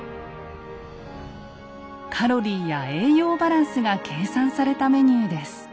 カロリーや栄養バランスが計算されたメニューです。